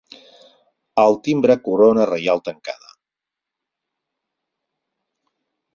Al timbre corona reial tancada.